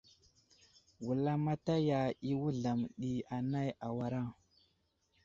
Wulamataya i Wuzlam ɗi anay awara.